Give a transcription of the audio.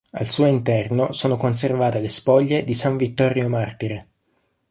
Al suo interno sono conservate le spoglie di san Vittorio martire.